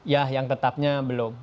ya yang tetapnya belum